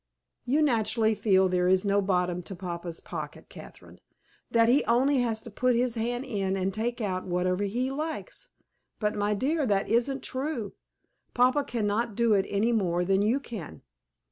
"You naturally feel that there is no bottom to papa's pocket, Catherine; that he has only to put his hand in and take out what he likes; but, my dear, that isn't true. Papa cannot do it any more than you can."